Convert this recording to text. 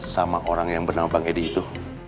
sama orang yang bernama bang edi itu